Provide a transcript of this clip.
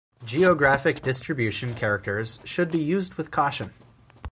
Geographic distribution characters should be used with caution.